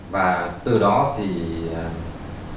và từ đó thì giúp thành phố